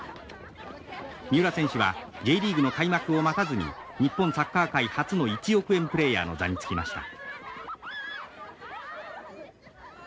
三浦選手はＪリーグの開幕を待たずに日本サッカー界初の１億円プレーヤーの座につきました。